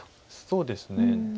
そうですね。